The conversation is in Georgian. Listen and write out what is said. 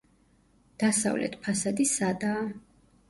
დასავლეთ ფასადი სადაა.